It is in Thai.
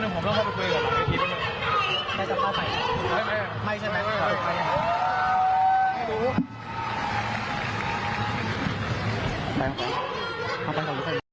ขอบบภัยสวัสดีค่ะ